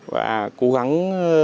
và cố gắng